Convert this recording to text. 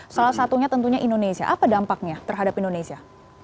salah satunya tentunya indonesia apa dampaknya terhadap indonesia